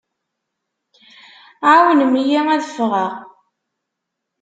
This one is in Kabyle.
Ɛawnem-iyi ad ffɣeɣ.